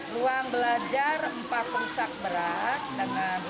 ruang belajar empat pusat berat dengan ruang